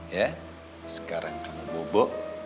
ya sekarang kamu bobok